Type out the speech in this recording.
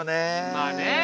まあね！